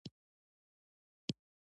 تالابونه د افغانستان د ملي هویت نښه ده.